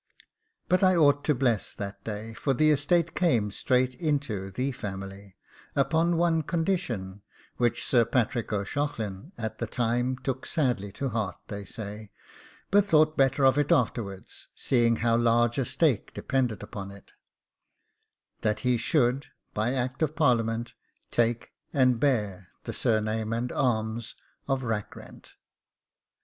But I ought to bless that day, for the estate came straight into THE family, upon one condition, which Sir Patrick O'Shaughlin at the time took sadly to heart, they say, but thought better of it afterwards, seeing how large a stake depended upon it: that he should, by Act of Parliament, take and bear the surname and arms of Rackrent.